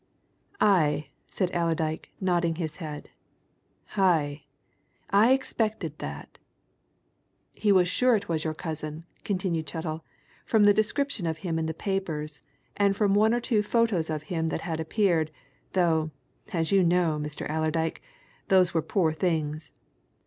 "Aye!" said Allerdyke, nodding his head. "Aye! I expected that." "He was sure it was your cousin," continued Chettle, "from the description of him in the papers, and from one or two photos of him that had appeared, though, as you know, Mr. Allerdyke, those were poor things.